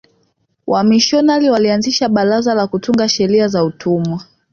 wamishionari walianzisha baraza la kutunga sheria za utumwa